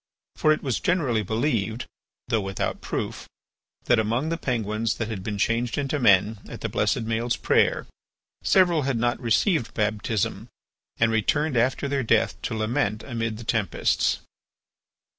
For it was generally believed, though without proof, that among the Penguins that had been changed into men at the blessed Maël's prayer, several had not received baptism and returned after their death to lament amid the tempests.